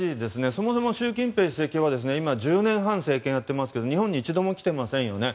そもそも習近平主席は今、１０年半政権をやっていますけど日本に一度も来ていませんよね。